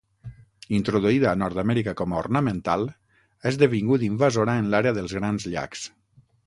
Introduïda a Nord-amèrica com a ornamental ha esdevingut invasora en l'àrea dels Grans Llacs.